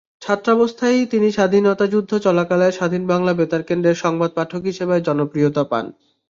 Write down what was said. ছাত্রাবস্থায়ই তিনি স্বাধীনতাযুদ্ধ চলাকালে স্বাধীন বাংলা বেতারকেন্দ্রের সংবাদ পাঠক হিসেবে জনপ্রিয়তা পান।